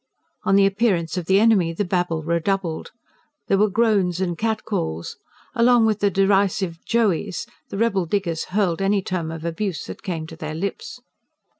On the appearance of the enemy the babel redoubled. There were groans and cat calls. Along with the derisive "Joeys!" the rebel diggers hurled any term of abuse that came to their lips.